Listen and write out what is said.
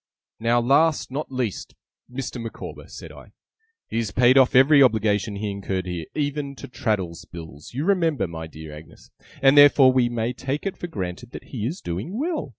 'Now, last, not least, Mr. Micawber,' said I. 'He has paid off every obligation he incurred here even to Traddles's bill, you remember my dear Agnes and therefore we may take it for granted that he is doing well.